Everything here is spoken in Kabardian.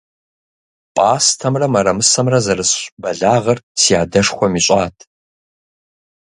Пӏастэмрэ мэрэмысэмрэ зэрысщӏ бэлагъыр си адшхуэм ищӏат.